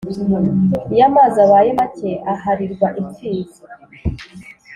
Iyo amazi abaye make aharirwa impfizi.